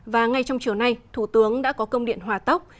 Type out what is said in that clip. và ngay trong chiều nay thủ tướng đã có công điện hòa tốc